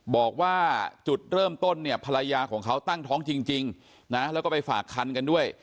บอกว่าจุดเริ่มต้นเนี่ยภรรยาของเขาตั้งท้องจริงนะแล้วก็ไปฝากคันกันด้วย